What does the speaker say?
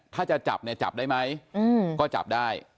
ถ้าจะจับเนี่ยจับได้ไหมก็จับได้